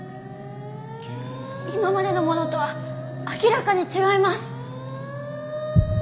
今までのものとは明らかに違います。